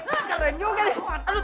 wah itu kangen